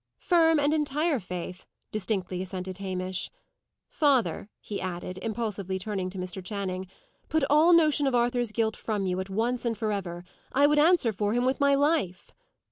"Firm and entire faith," distinctly assented Hamish. "Father," he added, impulsively turning to Mr. Channing, "put all notion of Arthur's guilt from you, at once and for ever. I would answer for him with my life."